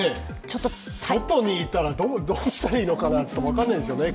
外にいたらどうしたらいいのか分からないですよね。